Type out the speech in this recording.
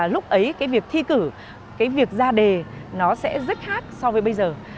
lúc ấy cái việc thi cử cái việc ra đề nó sẽ rất khác so với bây giờ